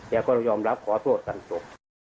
แกก็ยอมรับขอโทษกันจบ